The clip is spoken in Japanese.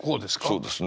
そうですね。